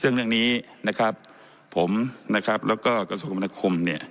ซึ่งเรื่องนี้ผมและกระทรวงคำนาคม